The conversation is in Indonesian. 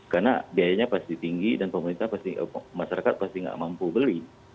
karena biayanya pasti tinggi dan pemerintah pasti masyarakat pasti nggak mampu beli